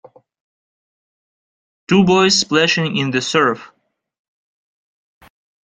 Two boys splashing in the surf.